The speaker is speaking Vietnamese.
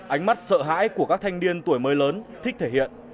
ánh mắt sợ hãi của các thanh niên tuổi mới lớn thích thể hiện